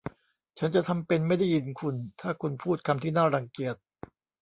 ฉันจะทำเป็นไม่ได้ยินคุณถ้าคุณพูดคำที่น่ารังเกียจ